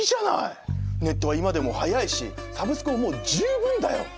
ネットは今でも速いしサブスクももう十分だよ。